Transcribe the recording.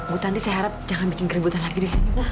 bu nanti saya harap jangan bikin keributan lagi di sini